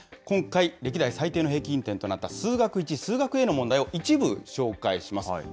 今回、歴代最低の平均点となった数学１・数学Ａの問題を一部、紹介します。